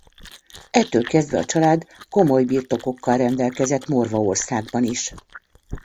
Ettől kezdve a család komoly birtokokkal rendelkezett Morvaországban is.